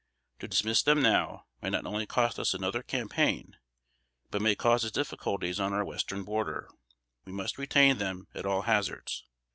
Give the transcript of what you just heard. To dismiss them now, might not only cost us another campaign, but may cause us difficulties on our western border. We must retain them at all hazards.